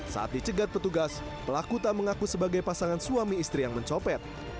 saat dicegat petugas pelaku tak mengaku sebagai pasangan suami istri yang mencopet